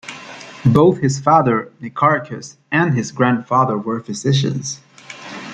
Both his father, Nicarchus, and his grandfather were physicians.